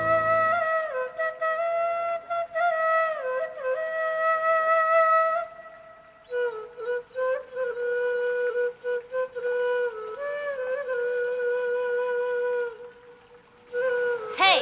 tunggu saya mau nyanyi